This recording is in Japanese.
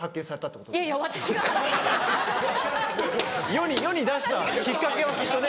世に世に出したきっかけはきっとね。